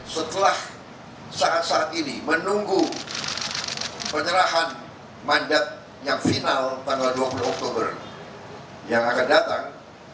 setelah saat saat ini menunggu penyerahan mandat yang final tanggal dua puluh oktober yang akan datang